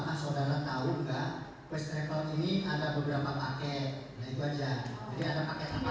hal hal yang harus saya lakukan selama ini